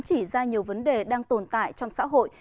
chỉ ra nhiều vấn đề đang tồn tại trong xã hội